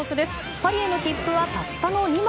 パリへの切符はたったの２枚。